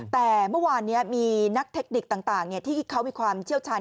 แต่เมื่อวานนี้มีนักเทคนิคต่างที่เขามีความเชี่ยวชาญ